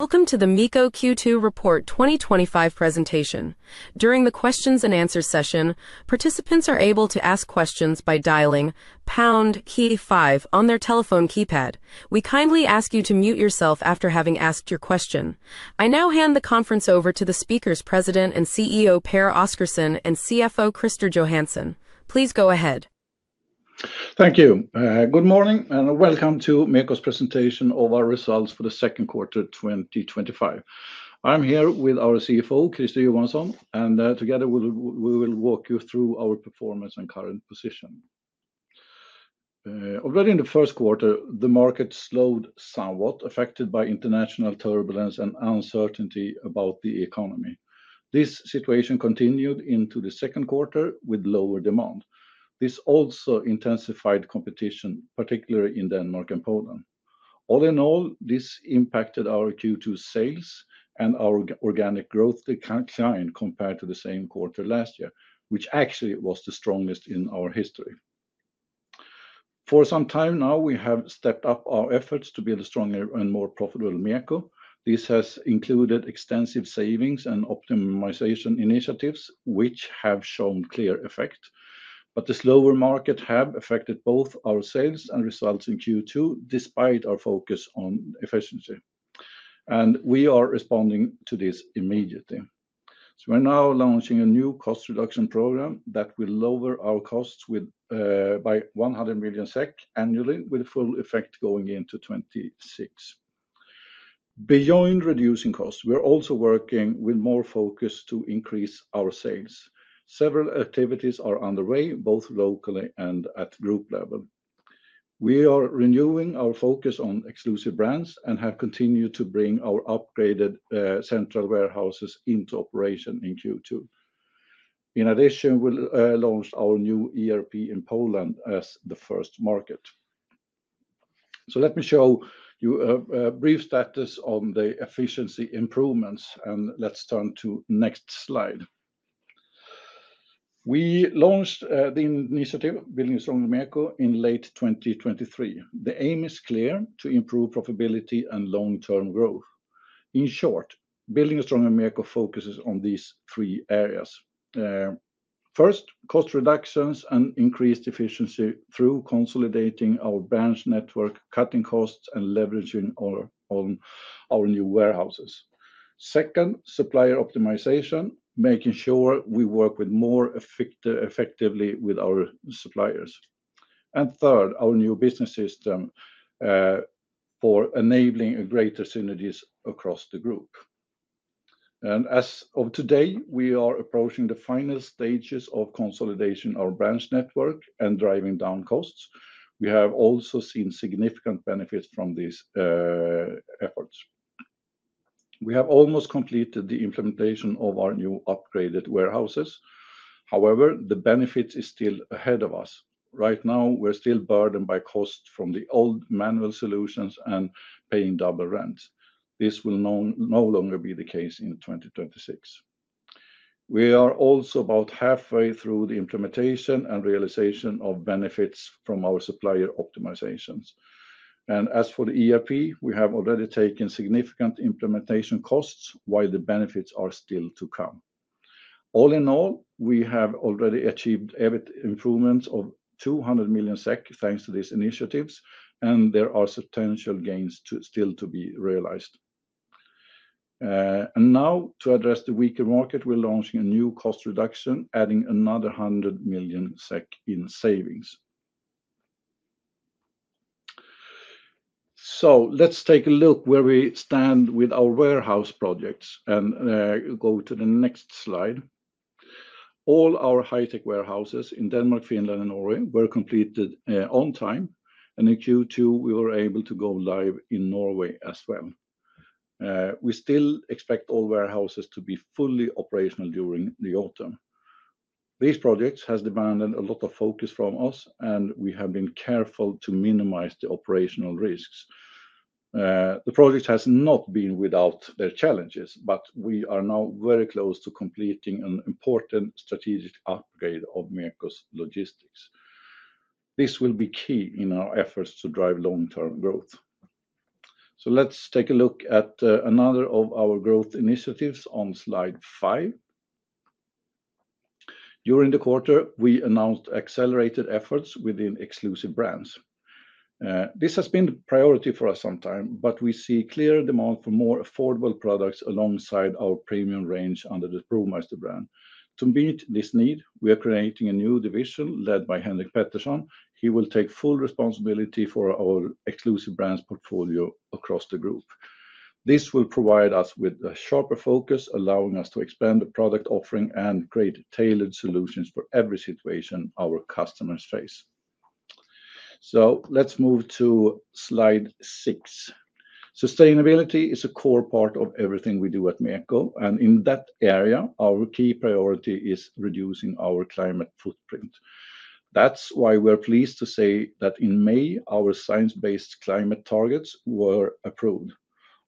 Welcome to the MEKO Q2 Report 2025 presentation. During the questions-and-answers session, participants are able to ask questions by dialing pound key five on their telephone keypad. We kindly ask you to mute yourself after having asked your question. I now hand the conference over to the speakers, President and CEO Pehr Oscarson, and CFO Christer Johansson. Please go ahead. Thank you. Good morning and welcome to MEKO's presentation of our results for the second quarter 2025. I'm here with our CFO, Christer Johansson, and together we will walk you through our performance and current position. Already in the first quarter, the market slowed somewhat, affected by international turbulence and uncertainty about the economy. This situation continued into the second quarter with lower demand. This also intensified competition, particularly in Denmark and Poland. All in all, this impacted our Q2 sales and our organic growth decline compared to the same quarter last year, which actually was the strongest in our history. For some time now, we have stepped up our efforts to build a stronger and more profitable MEKO. This has included extensive savings and optimization initiatives, which have shown clear effect. The slower market has affected both our sales and results in Q2, despite our focus on efficiency. We are responding to this immediately. We're now launching a new cost reduction program that will lower our costs by 100 million SEK annually, with full effect going into 2026. Beyond reducing costs, we're also working with more focus to increase our sales. Several activities are underway, both locally and at the group level. We are renewing our focus on exclusive brands and have continued to bring our upgraded central warehouses into operation in Q2. In addition, we launched our new ERP in Poland as the first market. Let me show you a brief status on the efficiency improvements, and let's turn to the next slide. We launched the initiative Building a stronger MEKO in late 2023. The aim is clear: to improve profitability and long-term growth. In short, Building a Stronger MEKO focuses on these three areas. First, cost reductions and increased efficiency through consolidating our branch network, cutting costs, and leveraging on our new warehouses. Second, supplier optimization, making sure we work more effectively with our suppliers. Third, our new business system for enabling greater synergies across the group. As of today, we are approaching the final stages of consolidating our branch network and driving down costs. We have also seen significant benefits from these efforts. We have almost completed the implementation of our new upgraded warehouses. However, the benefits are still ahead of us. Right now, we're still burdened by costs from the old manual solutions and paying double rents. This will no longer be the case in 2026. We are also about halfway through the implementation and realization of benefits from our supplier optimizations. As for the ERP, we have already taken significant implementation costs, while the benefits are still to come. All in all, we have already achieved improvements of 200 million SEK thanks to these initiatives, and there are substantial gains still to be realized. To address the weaker market, we're launching a new cost reduction, adding another 100 million SEK in savings. Let's take a look at where we stand with our warehouse projects, and go to the next slide. All our high-tech warehouses in Denmark, Finland, and Norway were completed on time, and in Q2, we were able to go live in Norway as well. We still expect all warehouses to be fully operational during the autumn. These projects have demanded a lot of focus from us, and we have been careful to minimize the operational risks. The project has not been without its challenges, but we are now very close to completing an important strategic upgrade of MEKO's logistics. This will be key in our efforts to drive long-term growth. Let's take a look at another of our growth initiatives on slide five. During the quarter, we announced accelerated efforts within exclusive brands. This has been a priority for us for some time, but we see clear demand for more affordable products alongside our premium range under the ProMeister brand. To meet this need, we are creating a new division led by Henrik Pettersson. He will take full responsibility for our exclusive brands portfolio across the group. This will provide us with a sharper focus, allowing us to expand the product offering and create tailored solutions for every situation our customers face. Let's move to slide six. Sustainability is a core part of everything we do at MEKO, and in that area, our key priority is reducing our climate footprint. That's why we're pleased to say that in May, our science-based climate targets were approved.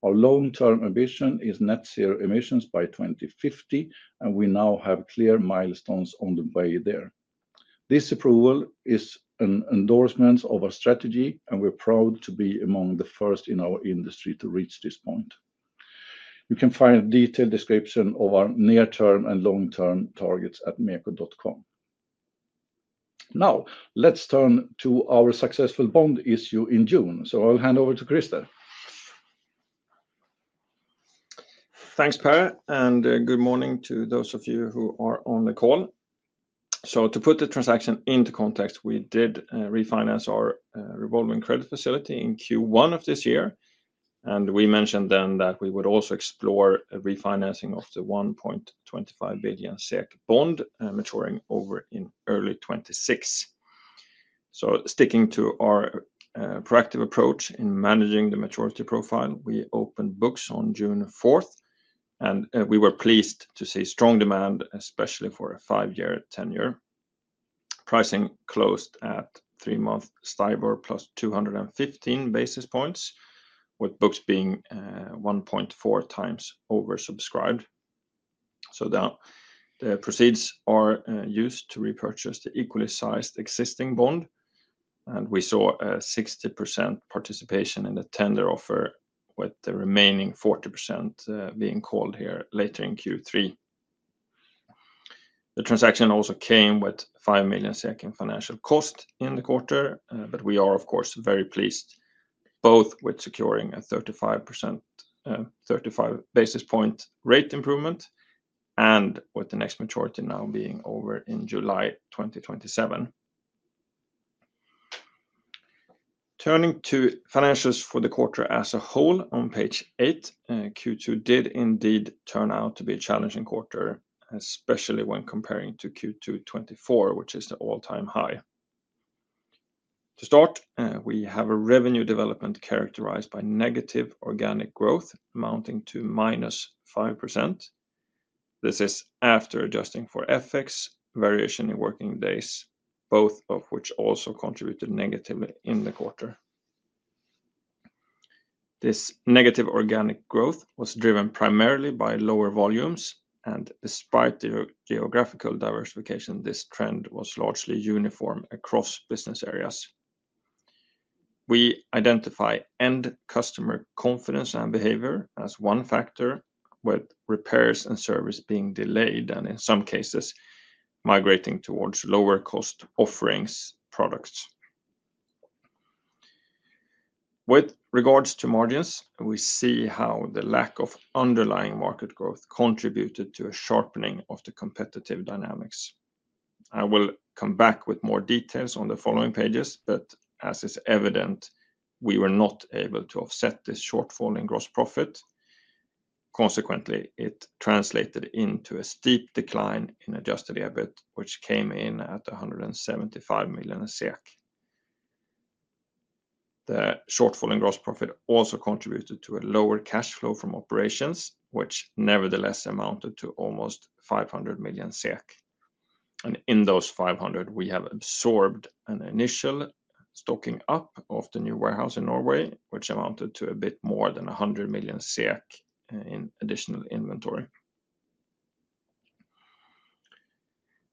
Our long-term ambition is net zero emissions by 2050, and we now have clear milestones on the way there. This approval is an endorsement of our strategy, and we're proud to be among the first in our industry to reach this point. You can find a detailed description of our near-term and long-term targets at meko.com. Now, let's turn to our successful bond issue in June. I'll hand over to Christer. Thanks, Pehr, and good morning to those of you who are on the call. To put the transaction into context, we did refinance our revolving credit facility in Q1 of this year, and we mentioned then that we would also explore refinancing of the 1.25 billion SEK bond maturing over in early 2026. Sticking to our proactive approach in managing the maturity profile, we opened books on June 4th, and we were pleased to see strong demand, especially for a five-year tenure. Pricing closed at three-month STIBOR + 215 basis points, with books being 1.4x oversubscribed. Now the proceeds are used to repurchase the equally sized existing bond, and we saw a 60% participation in the tender offer, with the remaining 40% being called here later in Q3. The transaction also came with 5 million in financial cost in the quarter, but we are, of course, very pleased both with securing a 35 basis point rate improvement and with the next maturity now being over in July 2027. Turning to financials for the quarter as a whole, on page eight, Q2 did indeed turn out to be a challenging quarter, especially when comparing to Q2 2024, which is the all-time high. To start, we have a revenue development characterized by negative organic growth amounting to -5%. This is after adjusting for FX variation in working days, both of which also contributed negatively in the quarter. This negative organic growth was driven primarily by lower volumes, and despite the geographical diversification, this trend was largely uniform across business areas. We identify end customer confidence and behavior as one factor, with repairs and service being delayed and in some cases migrating towards lower cost offerings products. With regards to margins, we see how the lack of underlying market growth contributed to a sharpening of the competitive dynamics. I will come back with more details on the following pages, but as is evident, we were not able to offset this shortfall in gross profit. Consequently, it translated into a steep decline in adjusted EBIT, which came in at 175 million. The shortfall in gross profit also contributed to a lower cash flow from operations, which nevertheless amounted to almost 500 million SEK. In those 500 million, we have absorbed an initial stocking up of the new warehouse in Norway, which amounted to a bit more than 100 million SEK in additional inventory.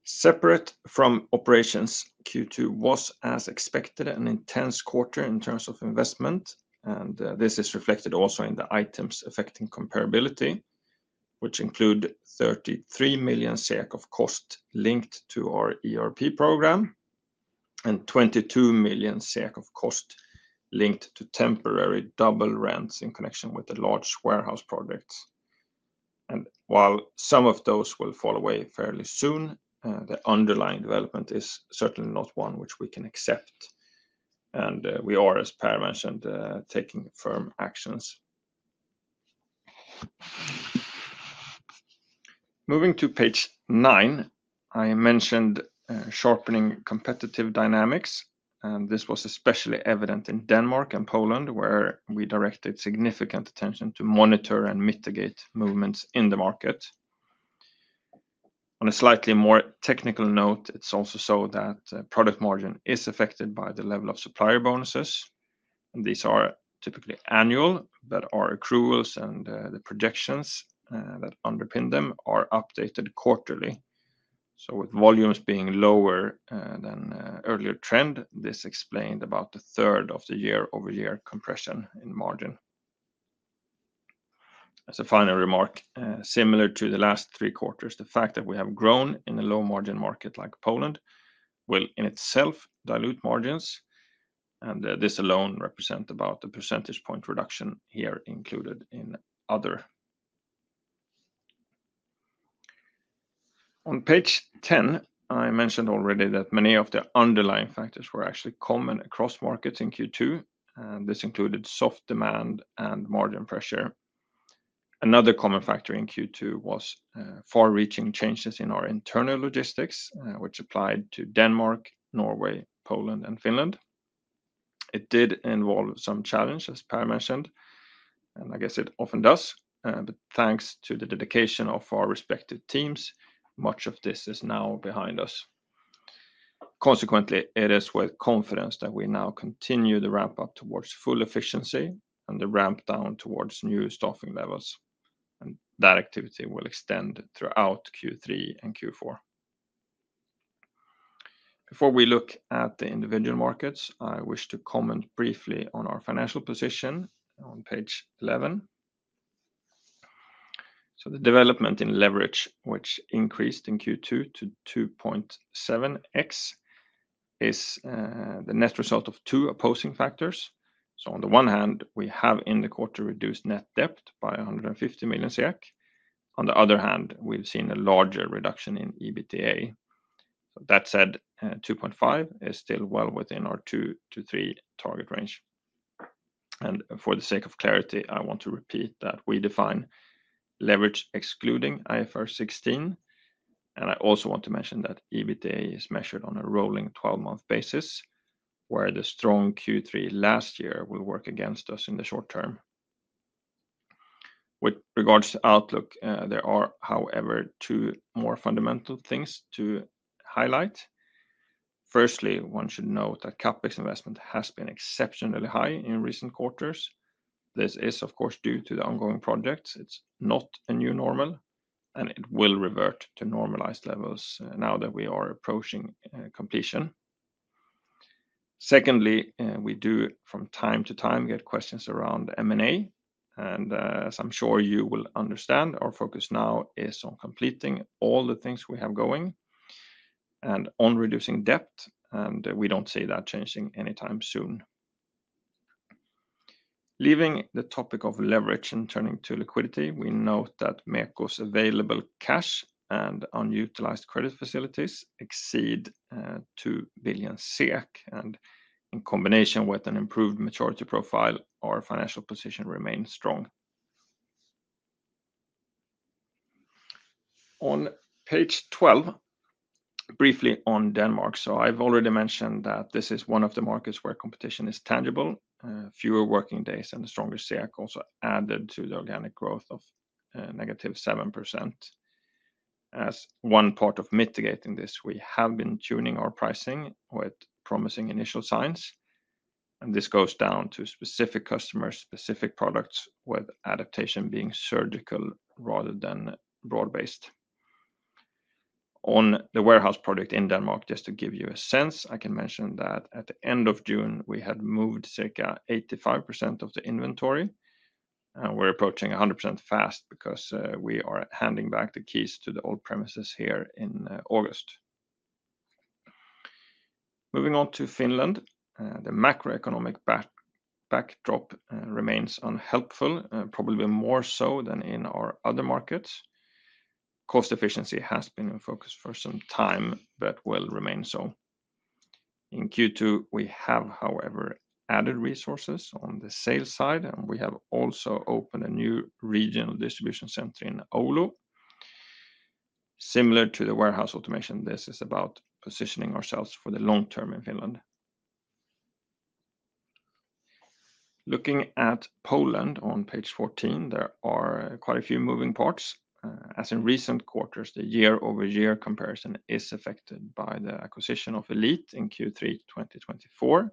Separate from operations, Q2 was, as expected, an intense quarter in terms of investment, and this is reflected also in the items affecting comparability, which include 33 million SEK of cost linked to our ERP program and 22 million SEK of cost linked to temporary double rents in connection with the large warehouse projects. While some of those will fall away fairly soon, the underlying development is certainly not one which we can accept. We are, as Pehr mentioned, taking firm actions. Moving to page nine, I mentioned sharpening competitive dynamics, and this was especially evident in Denmark and Poland, where we directed significant attention to monitor and mitigate movements in the market. On a slightly more technical note, it's also so that product margin is affected by the level of supplier bonuses. These are typically annual, but our accruals and the projections that underpin them are updated quarterly. With volumes being lower than the earlier trend, this explained about a third of the year-over-year compression in margin. As a final remark, similar to the last three quarters, the fact that we have grown in a low-margin market like Poland will in itself dilute margins, and this alone represents about a percentage point reduction here included in other. On page 10, I mentioned already that many of the underlying factors were actually common across markets in Q2, and this included soft demand and margin pressure. Another common factor in Q2 was far-reaching changes in our internal logistics, which applied to Denmark, Norway, Poland, and Finland. It did involve some challenge, as Pehr mentioned, and I guess it often does, but thanks to the dedication of our respective teams, much of this is now behind us. Consequently, it is with confidence that we now continue the ramp-up towards full efficiency and the ramp-down towards new staffing levels, and that activity will extend throughout Q3 and Q4. Before we look at the individual markets, I wish to comment briefly on our financial position on page 11. The development in leverage, which increased in Q2 to 2.7x, is the net result of two opposing factors. On the one hand, we have in the quarter reduced net debt by 150 million SEK. On the other hand, we've seen a larger reduction in EBITDA. That said, 2.5 is still well within our 2-3 target range. For the sake of clarity, I want to repeat that we define leverage excluding IFRS 16, and I also want to mention that EBITDA is measured on a rolling 12-month basis, where the strong Q3 last year will work against us in the short term. With regards to outlook, there are, however, two more fundamental things to highlight. Firstly, one should note that CapEx investment has been exceptionally high in recent quarters. This is, of course, due to the ongoing projects. It's not a new normal, and it will revert to normalized levels now that we are approaching completion. Secondly, we do, from time to time, get questions around M&A, and as I'm sure you will understand, our focus now is on completing all the things we have going and on reducing debt, and we don't see that changing anytime soon. Leaving the topic of leverage and turning to liquidity, we note that MEKO's available cash and unutilized credit facilities exceed 2 billion SEK, and in combination with an improved maturity profile, our financial position remains strong. On page 12, briefly on Denmark. I've already mentioned that this is one of the markets where competition is tangible. Fewer working days and the stronger SEK also added to the organic growth of -7%. As one part of mitigating this, we have been tuning our pricing with promising initial signs, and this goes down to specific customers, specific products, with adaptation being surgical rather than broad-based. On the warehouse project in Denmark, just to give you a sense, I can mention that at the end of June, we had moved circa 85% of the inventory. We're approaching 100% fast because we are handing back the keys to the old premises here in August. Moving on to Finland, the macroeconomic backdrop remains unhelpful, probably more so than in our other markets. Cost efficiency has been a focus for some time, but will remain so. In Q2, we have, however, added resources on the sales side, and we have also opened a new regional distribution center in Oulu. Similar to the warehouse automation, this is about positioning ourselves for the long term in Finland. Looking at Poland on page 14, there are quite a few moving parts. As in recent quarters, the year-over-year comparison is affected by the acquisition of Elite in Q3 2024.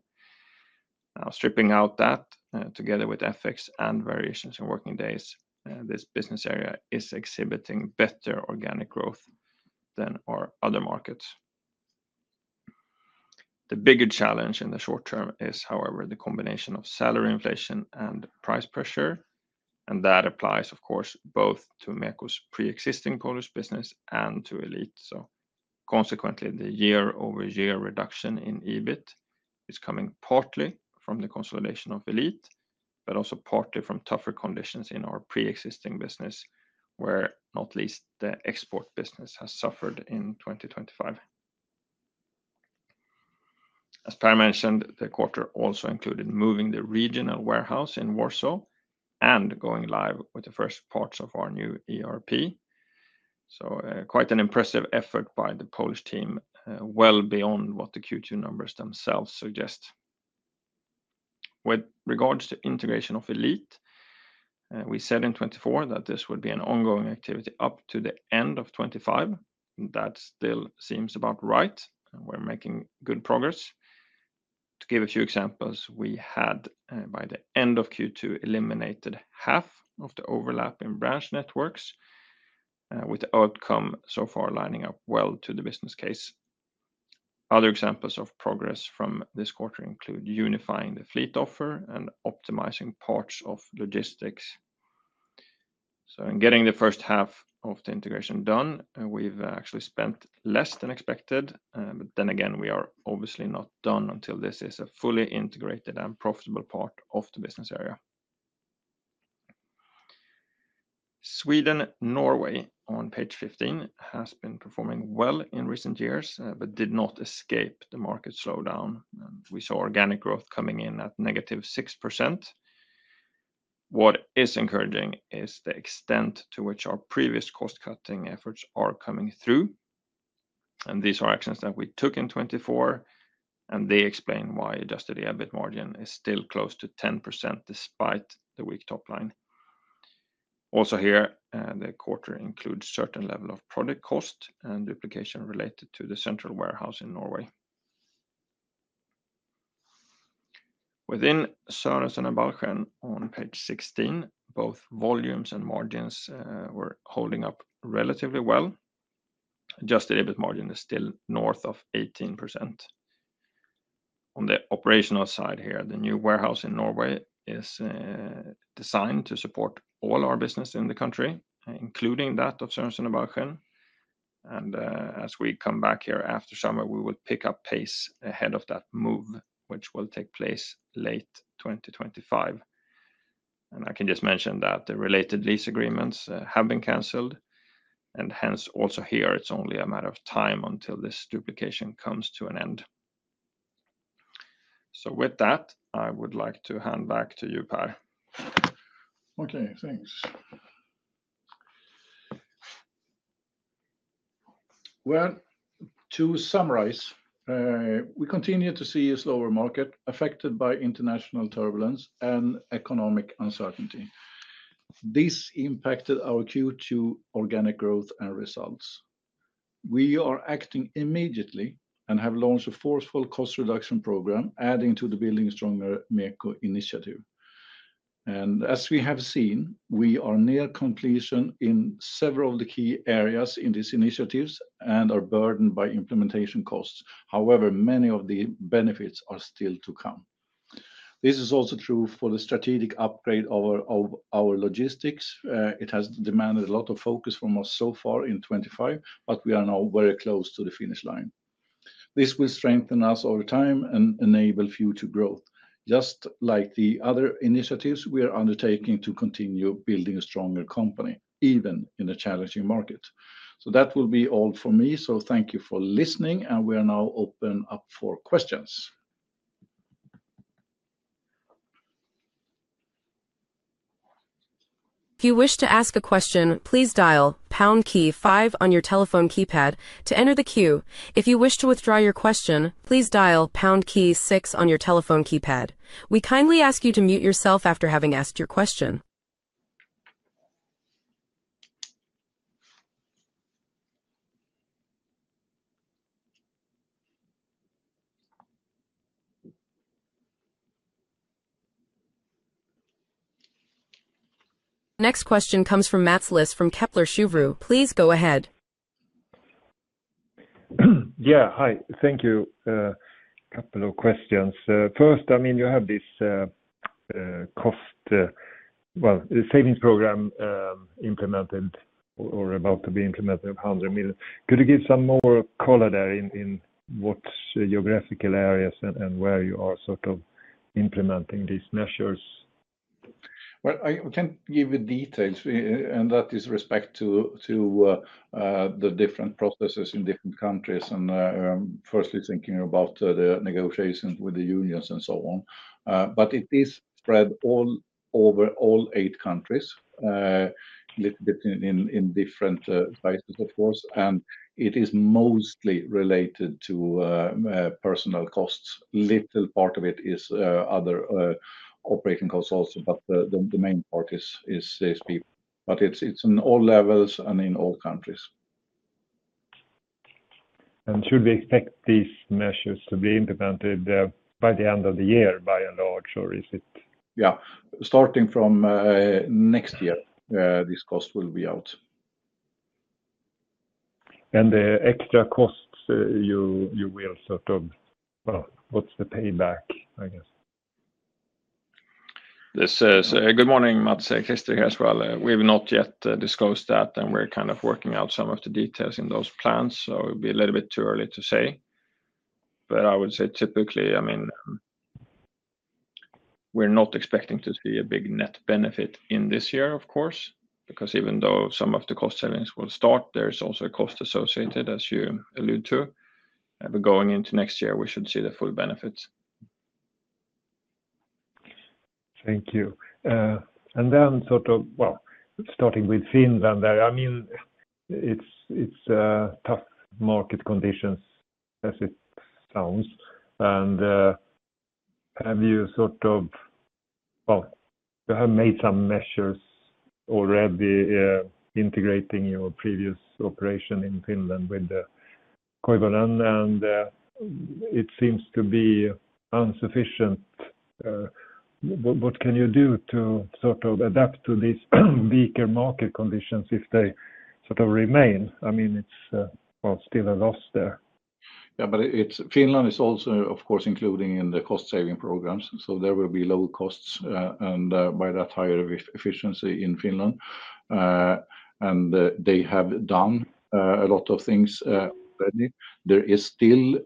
Now stripping out that, together with FX and variations in working days, this business area is exhibiting better organic growth than our other markets. The bigger challenge in the short term is, however, the combination of salary inflation and price pressure, and that applies, of course, both to MEKO's pre-existing Polish business and to Elite. Consequently, the year-over-year reduction in EBIT is coming partly from the consolidation of Elite, but also partly from tougher conditions in our pre-existing business, where not least the export business has suffered in 2025. As Pehr mentioned, the quarter also included moving the regional warehouse in Warsaw and going live with the first parts of our new ERP. Quite an impressive effort by the Polish team, well beyond what the Q2 numbers themselves suggest. With regards to integration of Elite, we said in 2024 that this would be an ongoing activity up to the end of 2025. That still seems about right, and we're making good progress. To give a few examples, we had by the end of Q2 eliminated half of the overlap in branch networks, with the outcome so far lining up well to the business case. Other examples of progress from this quarter include unifying the fleet offer and optimizing parts of logistics. In getting the first half of the integration done, we've actually spent less than expected, but we are obviously not done until this is a fully integrated and profitable part of the business area. Sweden-Norway on page 15 has been performing well in recent years, but did not escape the market slowdown. We saw organic growth coming in at -6%. What is encouraging is the extent to which our previous cost-cutting efforts are coming through. These are actions that we took in 2024, and they explain why adjusted EBIT margin is still close to 10% despite the weak top line. Also here, the quarter includes a certain level of product cost and duplication related to the central warehouse in Norway. Within Sørensen og Balchen on page 16, both volumes and margins were holding up relatively well. Adjusted EBIT margin is still north of 18%. On the operational side here, the new warehouse in Norway is designed to support all our business in the country, including that of Sørensen og Balchen. As we come back here after summer, we will pick up pace ahead of that move, which will take place late 2025. I can just mention that the related lease agreements have been canceled, and hence also here, it's only a matter of time until this duplication comes to an end. With that, I would like to hand back to you, Pehr. Thank you. To summarize, we continue to see a slower market affected by international turbulence and economic uncertainty. This impacted our Q2 organic growth and results. We are acting immediately and have launched a forceful cost reduction program, adding to the Building a stronger MEKO initiative. As we have seen, we are near completion in several of the key areas in these initiatives and are burdened by implementation costs. However, many of the benefits are still to come. This is also true for the strategic upgrade of our logistics. It has demanded a lot of focus from us so far in 2025, but we are now very close to the finish line. This will strengthen us over time and enable future growth, just like the other initiatives we are undertaking to continue building a stronger company, even in a challenging market. That will be all for me. Thank you for listening, and we are now open up for questions. If you wish to ask a question, please dial pound key five on your telephone keypad to enter the queue. If you wish to withdraw your question, please dial pound key six on your telephone keypad. We kindly ask you to mute yourself after having asked your question. Next question comes from Mats Liss from Kepler Cheuvreux. Please go ahead. Yeah, hi, thank you. A couple of questions. First, I mean, you have this cost savings program implemented or about to be implemented of 100 million. Could you give some more color there in what geographical areas and where you are sort of implementing these measures? I can give you details, and that is respect to the different processes in different countries, firstly thinking about the negotiations with the unions and so on. It is spread all over all eight countries, a little bit in different ways, of course, and it is mostly related to personnel costs. A little part of it is other operating costs also, but the main part is sales people. It's in all levels and in all countries. Should we expect these measures to be implemented by the end of the year, by and large, or is it? Starting from next year, these costs will be out. The extra costs you will sort of, what's the payback, I guess? Good morning, Mats, Christer as well. We've not yet disclosed that, and we're kind of working out some of the details in those plans, so it would be a little bit too early to say. I would say typically, I mean, we're not expecting to see a big net benefit in this year, of course, because even though some of the cost savings will start, there's also a cost associated, as you alluded to. Going into next year, we should see the full benefits. Thank you. Starting with Finland there, I mean, it's tough market conditions, as it sounds. You have made some measures already integrating your previous operation in Finland with the Koivunen, and it seems to be insufficient. What can you do to adapt to these weaker market conditions if they remain? I mean, it's still a loss there. Yeah, Finland is also, of course, included in the cost-saving programs. There will be low costs and by that higher efficiency in Finland. They have done a lot of things already. There are still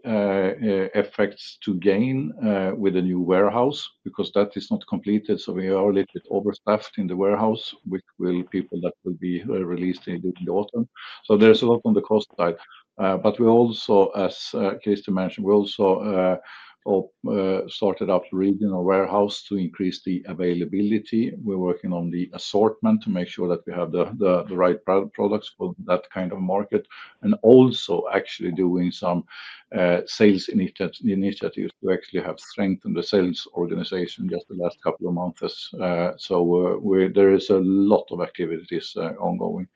effects to gain with the new warehouse because that is not completed. We are a little bit overstaffed in the warehouse, which will be people that will be released in the autumn. There is a lot on the cost side. As Christer mentioned, we also started up the regional warehouse to increase the availability. We're working on the assortment to make sure that we have the right products for that kind of market and also actually doing some sales initiatives to actually have strengthened the sales organization just the last couple of months. There is a lot of activities ongoing.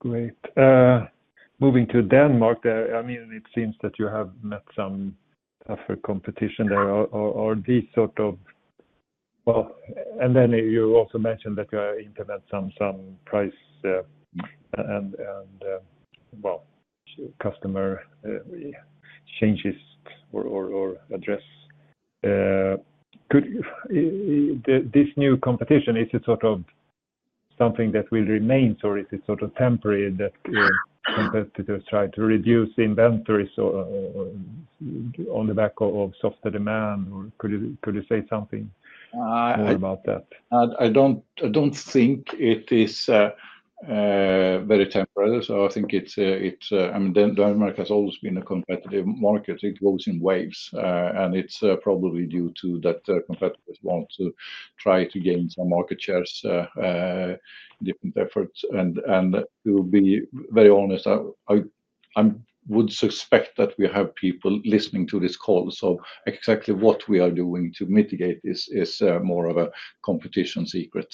Great. Moving to Denmark, it seems that you have met some tougher competition there. Are these sort of, and you also mentioned that you have implemented some price and customer changes or address. Could this new competition, is it something that will remain, or is it temporary that competitors try to reduce inventories on the back of softer demand, or could you say something about that? I don't think it is very temporary. I think it's, I mean, Denmark has always been a competitive market. It goes in waves, and it's probably due to competitors wanting to try to gain some market shares, different efforts. To be very honest, I would suspect that we have people listening to this call. Exactly what we are doing to mitigate is more of a competition secret.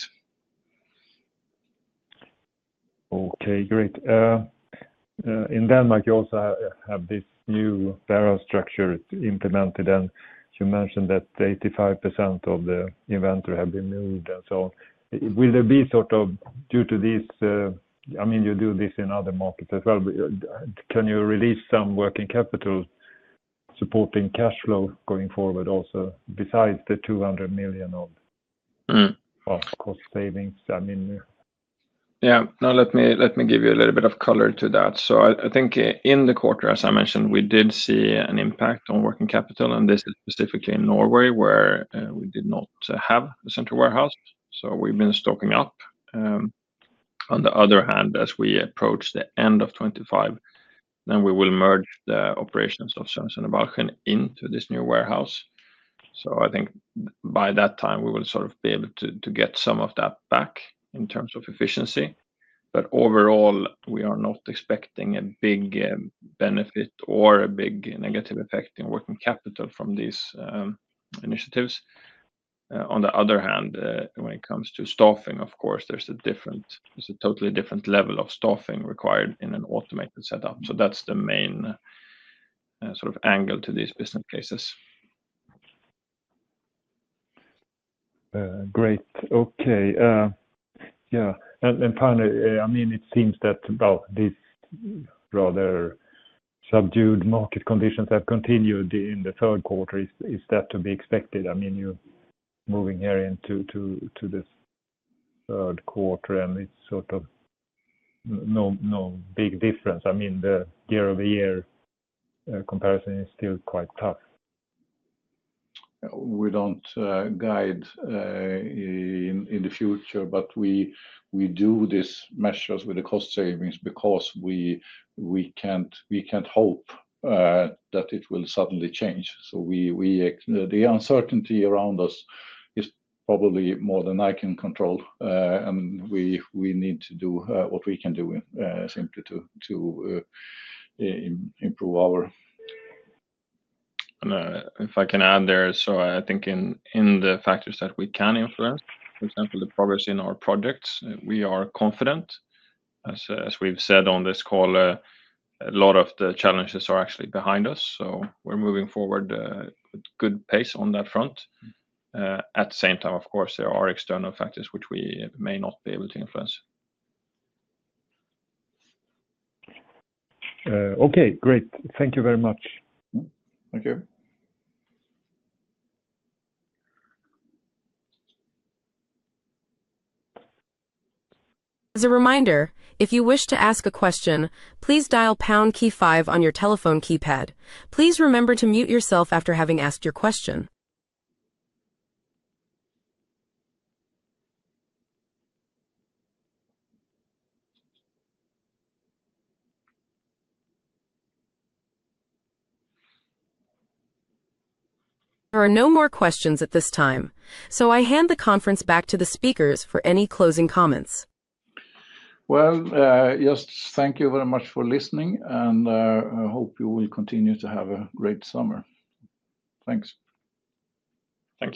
Okay, great. In Denmark, you also have this new tariff structure implemented, and you mentioned that 85% of the inventory have been moved and so on. Will there be, due to this, I mean, you do this in other markets as well, but can you release some working capital supporting cash flow going forward also besides the $200 million of cost savings? I mean. Yeah, now let me give you a little bit of color to that. I think in the quarter, as I mentioned, we did see an impact on working capital, and this is specifically in Norway where we did not have a central warehouse. We've been stocking up. On the other hand, as we approach the end of 2025, we will merge the operations of Sørensen og Balchen into this new warehouse. I think by that time, we will sort of be able to get some of that back in terms of efficiency. Overall, we are not expecting a big benefit or a big negative effect in working capital from these initiatives. On the other hand, when it comes to staffing, of course, there's a totally different level of staffing required in an automated setup. That's the main sort of angle to these business cases. Great. Okay. Pehr, it seems that these rather subdued market conditions have continued in the third quarter. Is that to be expected? You're moving here into this third quarter and it's sort of no big difference. The year-over-year comparison is still quite tough. We don't guide in the future, but we do these measures with the cost savings because we can't hope that it will suddenly change. The uncertainty around us is probably more than I can control, and we need to do what we can do simply to improve our. If I can add there, I think in the factors that we can influence, for example, the progress in our projects, we are confident. As we've said on this call, a lot of the challenges are actually behind us. We're moving forward at a good pace on that front. At the same time, of course, there are external factors which we may not be able to influence. Okay, great. Thank you very much. Thank you. As a reminder, if you wish to ask a question, please dial pound key five on your telephone keypad. Please remember to mute yourself after having asked your question. There are no more questions at this time. I hand the conference back to the speakers for any closing comments. Thank you very much for listening, and I hope you will continue to have a great summer. Thanks.